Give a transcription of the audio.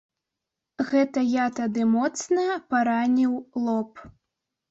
Гэта я тады моцна параніў лоб.